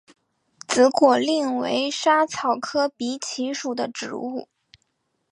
紫果蔺为莎草科荸荠属的植物。